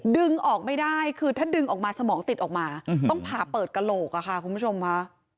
ดึงออกไม่ได้คือถ้าดึงออกมาสมองติดออกมาต้องผ่าเปิดกระโหลกอะค่ะคุณผู้ชมค่ะ